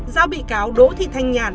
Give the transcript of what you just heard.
giáo bị cáo đỗ thị thanh nhàn